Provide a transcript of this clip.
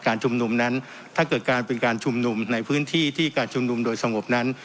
ชุมนุมนั้นถ้าเกิดการเป็นการชุมนุมในพื้นที่ที่การชุมนุมโดยสงบนั้น